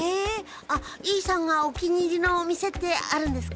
あイさんがお気に入りのお店ってあるんですか？